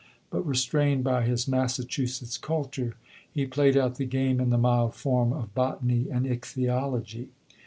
But, restrained by his Massachusetts culture, he played out the game in the mild form of botany and ichthyology.